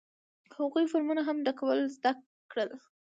هغوی فورمونه هم ډکول زده کړل.